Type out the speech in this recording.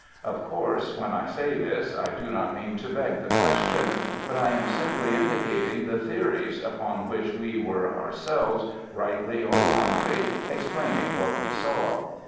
Of course, when I say this, I do not mean to beg the question; but I am simply indicating the theories upon which we were ourselves, rightly or wrongly, explaining what we saw.